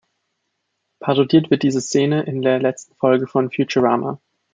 Parodiert wird diese Szene in der letzten Folge von Futurama.